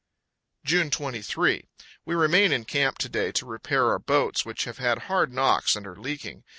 June 23. We remain in camp to day to repair our boats, which have had hard knocks and are leaking.